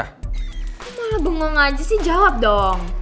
kamu malah bengong aja sih jawab dong